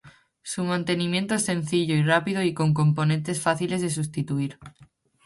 Su mantenimiento es sencillo y rápido y con componentes fáciles de sustituir.